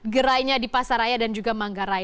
gerainya di pasaraya dan juga manggarai